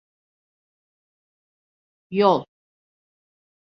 Yol.